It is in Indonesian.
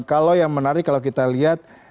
kalau yang menarik kalau kita lihat